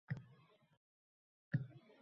Otasi pastdan belkurakda uzatgan loy.